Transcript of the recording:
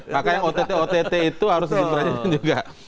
makanya ott ott itu harus diperhatikan juga